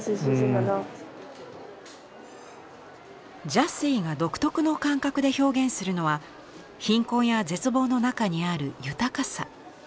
ジャスィが独特の感覚で表現するのは貧困や絶望の中にある豊かさ。